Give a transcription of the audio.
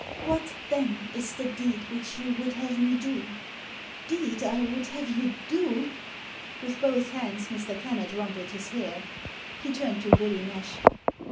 "What, then, is the deed which you would have me do?" " Deed I would have you do !" With both hands Mr. Kennard rumpled his hair. He turned to Willie Nash.